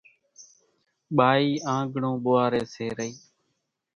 ٻائِي آنڳڻون ٻوئاريَ سي رئِي